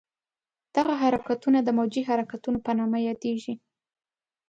دغه حرکتونه د موجي حرکتونو په نامه یادېږي.